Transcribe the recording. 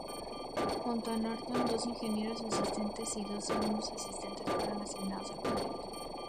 Junto a Norton, dos ingenieros asistentes y dos segundos asistentes fueron asignados al proyecto.